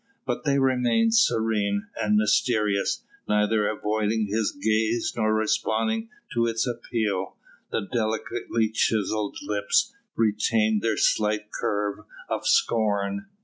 But they remained serene and mysterious, neither avoiding his gaze nor responding to its appeal. The delicately chiselled lips retained their slight curve of scorn.